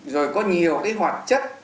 rồi có nhiều cái hoạt chất